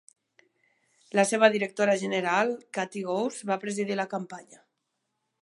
La seva directora general, Katie Ghose, va presidir la campanya.